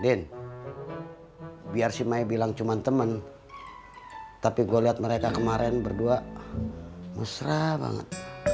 din biar si maya bilang cuma temen tapi gua liat mereka kemarin berdua mesra banget